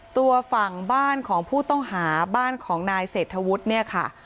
ตัวฝั่งบ้านของผู้ต้องหาบ้านของนายเศรษฐวุฒิเนี่ยค่ะ